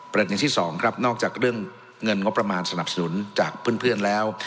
ที่สองครับนอกจากเรื่องเงินงบประมาณสนับสนุนจากเพื่อนแล้ว